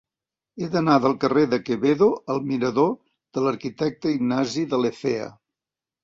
He d'anar del carrer de Quevedo al mirador de l'Arquitecte Ignasi de Lecea.